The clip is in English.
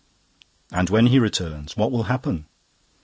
"And when He returns, what will happen?